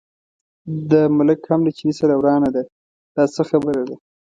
د ملک هم له چیني سره ورانه ده، دا څه خبره ده.